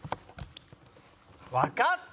わかった！